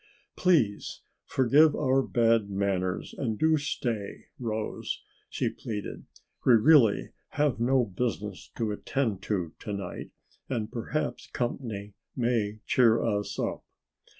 "Please forgive our bad manners and do stay, Rose," she pleaded. "We really have no business to attend to to night and perhaps company may cheer us up."